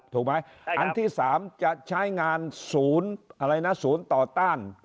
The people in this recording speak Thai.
ถูกไหมอันที่๓จะใช้งานศูนย์อะไรนะศูนย์ต่อต้าน